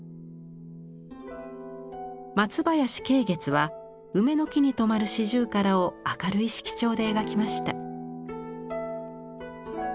松林桂月は梅の木に止まるシジュウカラを明るい色調で描きました。